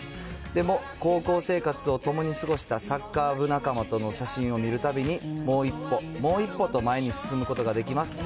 でも、高校生活を共に過ごしたサッカー部仲間との写真を見るたびに、もう一歩、もう一歩と前に進むことができます。